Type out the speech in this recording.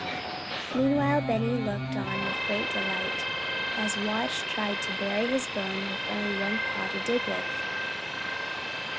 Meanwhile Benny looked on with great delight as Watch tried to bury his bone with only one paw to dig with.